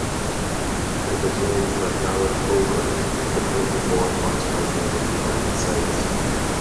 It was named for Garret Hobart, the twenty-fourth Vice President of the United States.